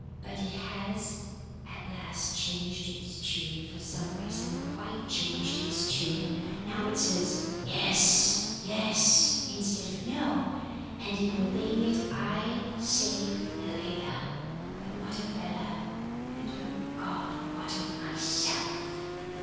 "But it has at last changed its tune, for some reason, quite changed its tune. Now, it is Yes! Yes! instead of No! and in obeying it I save Helena. But what of Bella? and O God, what of myself?"